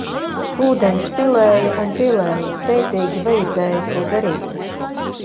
Ūdens pilēja un pilēja, steidzīgi vajadzēja ko darīt